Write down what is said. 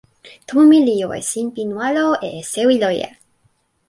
tomo mi li jo e sinpin walo e sewi loje.